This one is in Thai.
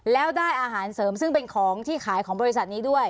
แล้วได้อาหารเสริมซึ่งเป็นของที่ขายของบริษัทนี้ด้วย